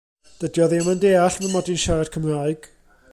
Dydy o ddim yn deall fy mod i'n siarad Cymraeg.